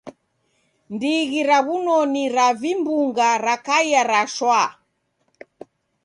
Ndighi ra w'unoni ra vimbunga rakaia ra shwaa